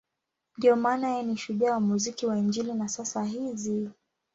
Ndiyo maana yeye ni shujaa wa muziki wa Injili wa sasa hizi.